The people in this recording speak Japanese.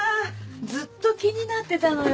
ずっと気になってたのよ